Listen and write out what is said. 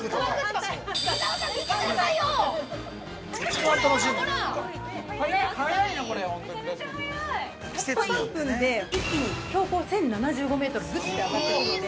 ◆たった３分で一気に標高１０７５メートルぐっと上がっていくので。